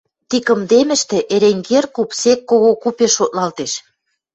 Ти кымдемӹштӹ Эренгер куп сек кого купеш шотлалтеш.